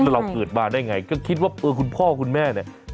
แล้วเราเกิดมาได้ไงก็คิดว่าเออคุณพ่อคุณแม่เนี่ย